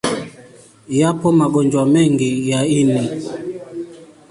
Yapo magonjwa mengi ya ini.